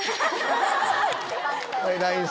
はいＬＩＮＥ